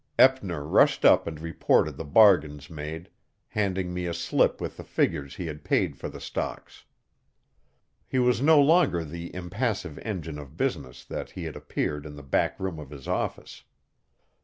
Eppner rushed up and reported the bargains made, handing me a slip with the figures he had paid for the stocks. He was no longer the impassive engine of business that he had appeared in the back room of his office.